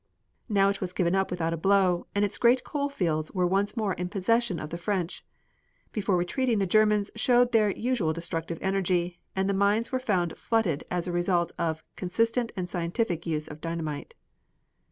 Now it was given up without a blow and its great coal fields were once more in possession of the French. Before retreating the Germans showed their usual destructive energy and the mines were found flooded as a result of consistent and scientific use of dynamite.